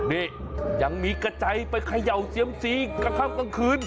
นี่ยังมีกระจายไปเขย่าเซียมซีกลางค่ำกลางคืน